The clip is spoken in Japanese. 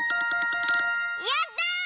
やった！